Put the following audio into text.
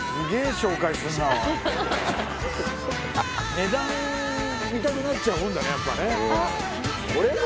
値段見たくなっちゃうもんだねやっぱねあっこれも？